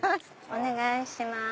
お願いします。